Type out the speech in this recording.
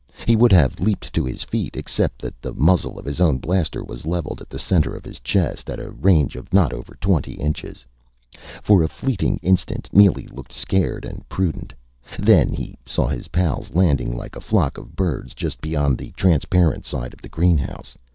He would have leaped to his feet except that the muzzle of his own blaster was leveled at the center of his chest, at a range of not over twenty inches. For a fleeting instant, Neely looked scared and prudent. Then he saw his pals, landing like a flock of birds, just beyond the transparent side of the greenhouse.